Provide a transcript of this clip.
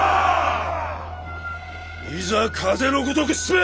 いざ風の如く進め！